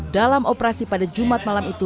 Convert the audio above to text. dalam operasi pada jumat malam itu